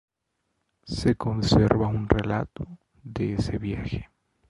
Se conserva un relato de ese viaje.